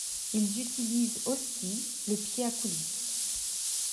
Ils utilisent aussi le pied à coulisse.